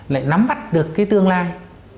lại nắm mắt được cái tương lai